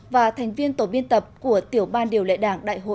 và thành viên tổ viên tập của tiểu ban điều lệ đảng đại hội một mươi ba